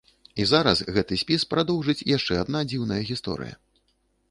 І зараз гэты спіс прадоўжыць яшчэ адна дзіўная гісторыя.